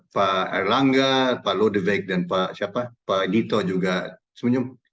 pak erlangga pak ludwig dan pak siapa pak dito juga senyum